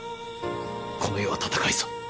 この世は戦いぞ。